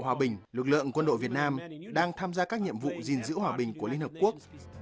hòa bình lực lượng quân đội việt nam đang tham gia các nhiệm vụ gìn giữ hòa bình của liên hợp quốc